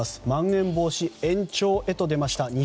まん延防止措置延長へと出ました。